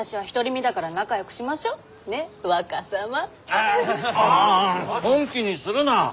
ああ本気にするな！